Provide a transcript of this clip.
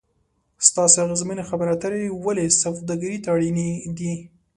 ستاسې اغیزمنې خبرې اترې ولې سوداګري ته اړینې دي ؟